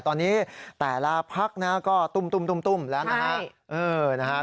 ตอนนี้แต่ละภักดิ์ก็ตุ้มแล้วนะฮะ